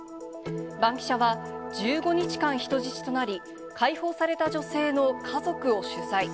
バンキシャは、１５日間人質となり、解放された女性の家族を取材。